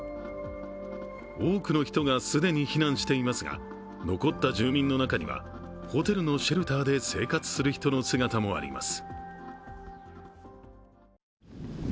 多くの人が既に避難していますが、残った住民の中にはホテルのシェルターで生活する人の姿もあります。